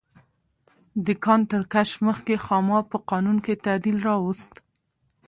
د کان تر کشف مخکې خاما په قانون کې تعدیل راوست.